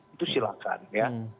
itu silahkan ya